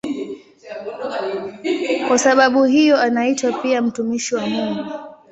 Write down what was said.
Kwa sababu hiyo anaitwa pia "mtumishi wa Mungu".